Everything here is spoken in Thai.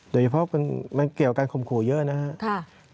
โดยเฉพาะมันเกี่ยวการข่มขู่เยอะนะครับ